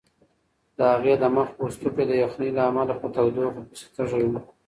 د هغې د مخ پوستکی د یخنۍ له امله په تودوخه پسې تږی و.